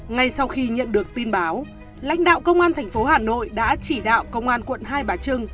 ngay sau khi nhận được tin báo lãnh đạo công an tp hà nội đã chỉ đạo công an quận hai bà trưng